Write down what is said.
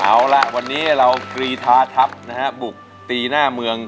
เอาล่ะวันนี้เรากรีธาทัพนะฮะบุกตีหน้าเมือง